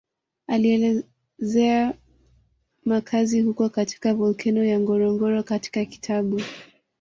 Alielezea makazi huko katika volkeno ya Ngorongoro katika kitabu